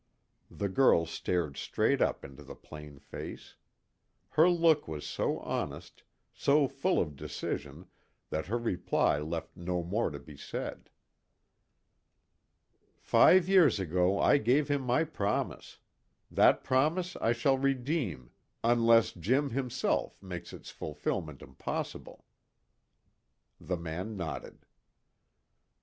The girl stared straight up into the plain face. Her look was so honest, so full of decision, that her reply left no more to be said. "Five years ago I gave him my promise. That promise I shall redeem, unless Jim, himself, makes its fulfilment impossible." The man nodded.